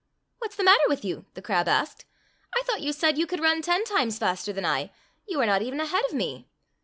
"What's the matter with you?" the crab asked. "I thought you said you could run ten times faster than I. You are not even ahead of me."